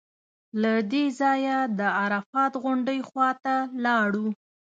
له دې ځایه د عرفات غونډۍ خوا ته لاړو.